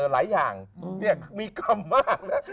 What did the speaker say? หลายอย่างมีกรรมมากนะ